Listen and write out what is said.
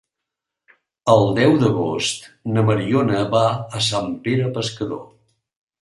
El deu d'agost na Mariona va a Sant Pere Pescador.